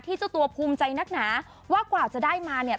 เจ้าตัวภูมิใจนักหนาว่ากว่าจะได้มาเนี่ย